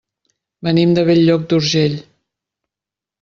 Venim de Bell-lloc d'Urgell.